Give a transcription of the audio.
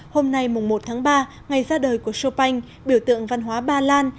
hôm nay mùng một tháng ba ngày ra đời của chopin biểu tượng văn hóa ba lan